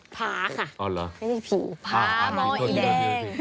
พาค่ะไม่ได้ผีพาหมออีแดง